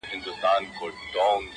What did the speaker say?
د روغن یوه ښیښه یې کړله ماته؛